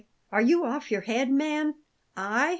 Are you off your head, man? I?"